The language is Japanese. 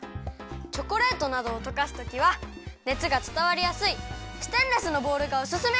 チョコレートなどをとかすときはねつがつたわりやすいステンレスのボウルがオススメ！